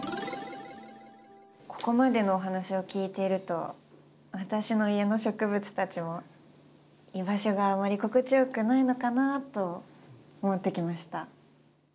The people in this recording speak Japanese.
ここまでのお話を聞いていると私の家の植物たちも居場所があまり心地よくないのかなと思ってきました。